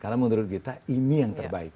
karena menurut kita ini yang terbaik